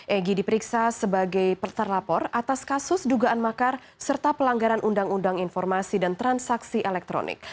egy diperiksa sebagai perter lapor atas kasus dugaan makar serta pelanggaran undang undang informasi dan transaksi elektronik